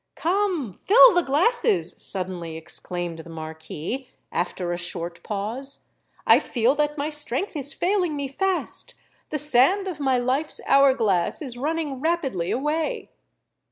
"Come—fill the glasses!" suddenly exclaimed the Marquis, after a short pause: "I feel that my strength is failing me fast—the sand of my life's hour glass is running rapidly away!"